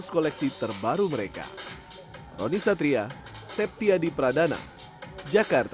koleksi terbaru mereka roni satria septiadi pradana jakarta